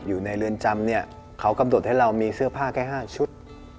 อยู่ในเรือนจำเนี่ยเขากำหนดให้เรามีเสื้อผ้าแค่๕ชุด